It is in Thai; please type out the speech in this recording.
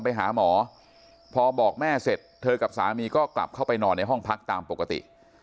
ไปหาหมอพอบอกแม่เสร็จเธอกับสามีก็กลับเข้าไปนอนในห้องพักตามปกติ